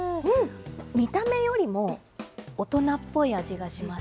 見た目よりも大人っぽい味がします。